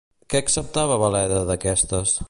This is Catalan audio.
Què acceptava Veleda d'aquestes?